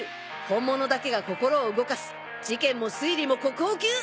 本物だけが心を動かす事件も推理も国宝級！